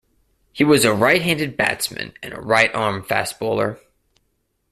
He was a right-handed batsman and a right-arm fast bowler.